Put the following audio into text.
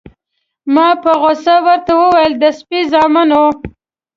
ما په غوسه ورته وویل: د سپي زامنو.